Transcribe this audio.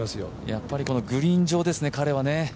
やっぱりこのグリーン上ですよね、彼はね。